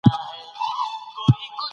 ملي یووالي ته کار وکړئ.